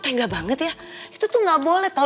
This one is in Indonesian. tengah banget ya itu tuh gak boleh tau